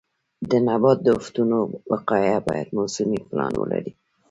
د نبات د آفتونو وقایه باید موسمي پلان ولري.